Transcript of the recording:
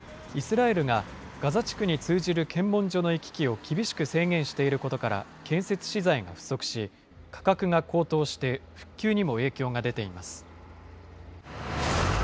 ただ、イスラエルがガザ地区に通じる検問所の行き来を厳しく制限していることから、建設資材が不足し、価格が高騰して復旧にも影響が出ています。